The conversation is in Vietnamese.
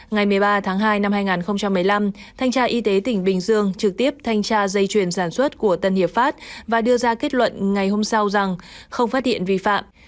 ngày một mươi ba tháng hai năm hai nghìn một mươi năm thanh tra y tế tỉnh bình dương trực tiếp thanh tra dây chuyền sản xuất của tân hiệp pháp và đưa ra kết luận ngày hôm sau rằng không phát hiện vi phạm